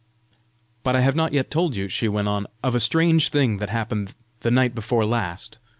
" But I have not yet told you," she went on, "of a strange thing that happened the night before last!